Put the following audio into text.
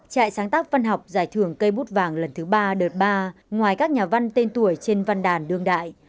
trại sáng tác văn học giải thưởng cây bút vàng lần thứ ba đợt ba ngoài các nhà văn tên tuổi trên văn đàn đương đại